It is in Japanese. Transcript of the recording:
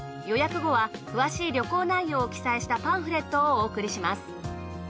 予約後は詳しい旅行内容を記載したパンフレットをお送りします。